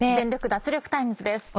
脱力タイムズ』です。